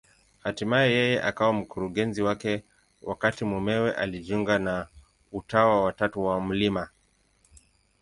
Hatimaye yeye akawa mkurugenzi wake, wakati mumewe alijiunga na Utawa wa Tatu wa Mt.